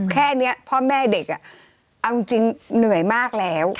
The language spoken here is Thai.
แค่นี้พ่อแม่เด็กเอาจริงเหนื่อยมากแล้ว